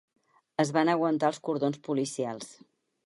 Es van aguantar els cordons policials.